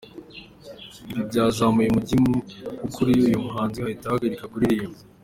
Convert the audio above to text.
Ibi byazamuye umujinya kuri uyu muhanzi ahita ahagarika kuririmba.